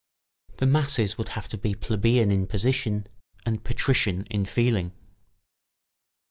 [Sidenote: The masses would have to be plebeian in position and patrician in feeling.